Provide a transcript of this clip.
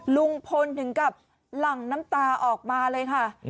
ลุงพลถึงกับหลั่งน้ำตาออกมาเลยค่ะ